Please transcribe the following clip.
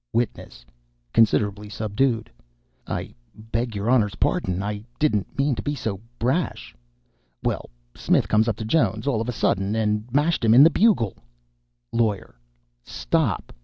WITNESS. (Considerably subdued.) "I beg your Honor's pardon I didn't mean to be so brash. Well, Smith comes up to Jones all of a sudden and mashed him in the bugle " LAWYER. "Stop!